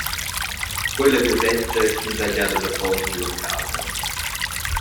Quei ei la gasetta ch’ins ha gia dad affon giu a casa.